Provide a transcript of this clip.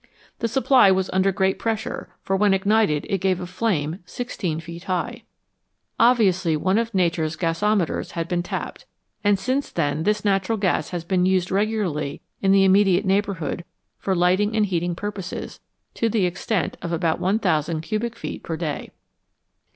The supply was under great pressure, for when ignited it gave a flame 16 feet high. Obviously one of Nature"^ gasometers had been tapped, and since then this natural gas has been used regularly in the immediate neighbourhood for lighting and heating pur poses to the extent of about 1000 cubic feet per day.